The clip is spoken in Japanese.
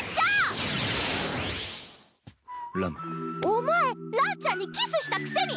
お前ランちゃんにキスしたくせに！